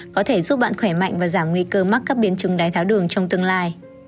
có thể giúp bạn khỏe mạnh và giảm nguy cơ mắc các biến chứng đáy tháo đường trong tương lai